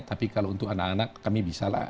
tapi kalau untuk anak anak kami bisa lah